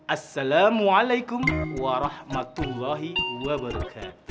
assalamualaikum warahmatullahi wabarakatuh